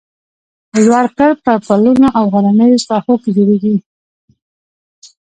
لوړ کرب په پلونو او غرنیو ساحو کې جوړیږي